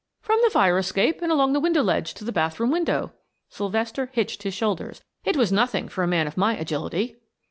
"From the fire escape and along the window ledge to the bathroom window." Sylvester hitched his shoulders. "It was nothing for a man of my agility."